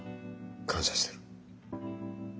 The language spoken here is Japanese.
感謝してる。